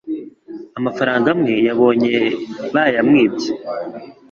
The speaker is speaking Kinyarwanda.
Amafaranga amwe yabonye bayamwibye